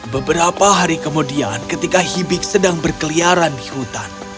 beberapa hari kemudian ketika hibik sedang berkeliaran di hutan